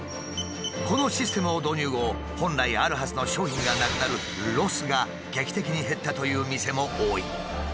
このシステムを導入後本来あるはずの商品がなくなるロスが劇的に減ったという店も多い。